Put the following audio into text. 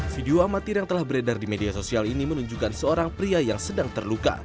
video amatir yang telah beredar di media sosial ini menunjukkan seorang pria yang sedang terluka